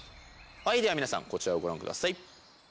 では皆さんこちらをご覧ください。